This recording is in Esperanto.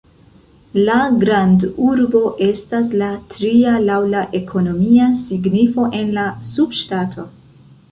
La grandurbo estas la tria laŭ la ekonomia signifo en la subŝtato.